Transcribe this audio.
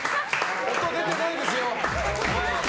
音出てないですよ。